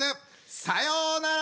さようなら！